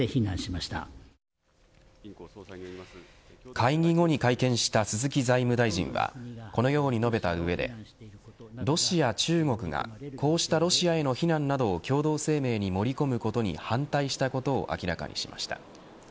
会議後に会見した鈴木財務大臣はこのように述べた上でロシア、中国が、こうしたロシアへの非難などを共同声明に盛り込むことに反対したことを明らかにしました。